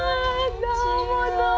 どうもどうも！